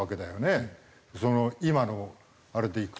その今のあれでいくと。